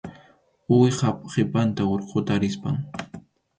Uwihap qhipanta urquta rispam.